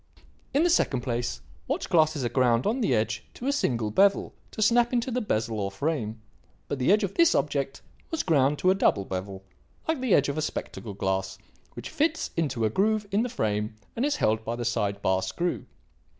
In the second place, watch glasses are ground on the edge to a single bevel to snap into the bezel or frame; but the edge of this object was ground to a double bevel, like the edge of a spectacle glass, which fits into a groove in the frame and is held by the side bar screw.